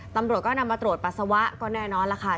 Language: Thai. ตำรวจก็นำมาตรวจปัสสาวะก็แน่นอนล่ะค่ะ